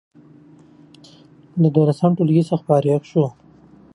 او له دولسم ټولګي څخه فارغ شوی و،